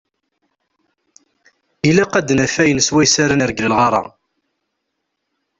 Ilaq ad d-naf ayen swayes ara nergel lɣar-a.